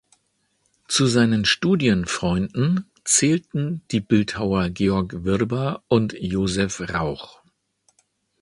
Zu seinen Studienfreunden zählten die Bildhauer Georg Wrba und Josef Rauch.